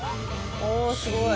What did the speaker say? おおすごい！